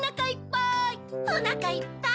おなかいっぱい！